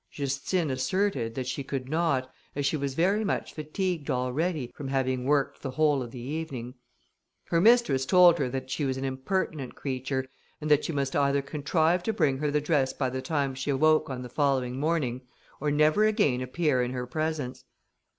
Justine asserted that she could not, as she was very much fatigued already from having worked the whole of the evening. Her mistress told her that she was an impertinent creature, and that she must either contrive to bring her the dress by the time she awoke on the following morning, or never again appear in her presence.